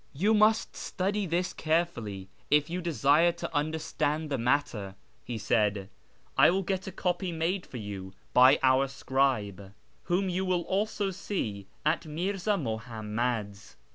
" You must study this carefully if you desire to under stand the matter," he said ;" I will get a copy made for you by our scribe, whom you will also see at Mi'rza Muhammad's.